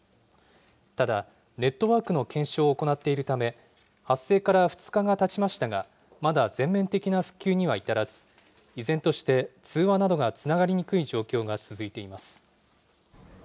ただ、ネットワークの検証を行っているため、発生から２日がたちましたが、まだ全面的な復旧には至らず、依然として通話などがつながりにくい状況が続いています。